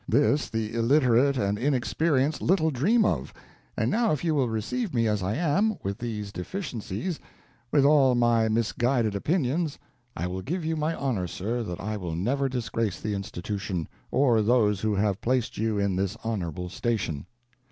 This the illiterate and inexperienced little dream of; and now if you will receive me as I am, with these deficiencies with all my misguided opinions, I will give you my honor, sir, that I will never disgrace the Institution, or those who have placed you in this honorable station."